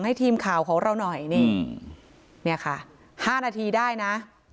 ให้ทีมข่าวของเราหน่อยนี่เนี่ยค่ะ๕นาทีได้นะ